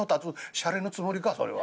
「シャレのつもりかそれは。